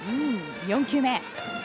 ４球目。